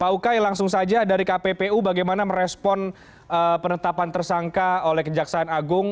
pak ukay langsung saja dari kppu bagaimana merespon penetapan tersangka oleh kejaksaan agung